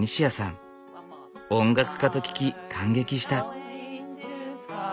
音楽家と聞き感激した。